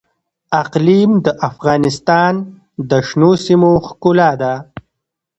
اقلیم د افغانستان د شنو سیمو ښکلا ده.